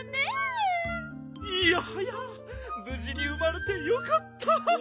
いやはやぶじに生まれてよかった！